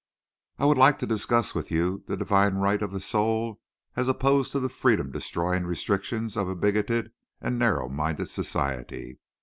I would like to discuss with you the divine right of the soul as opposed to the freedom destroying restrictions of a bigoted and narrow minded society.